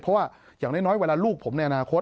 เพราะว่าอย่างน้อยเวลาลูกผมในอนาคต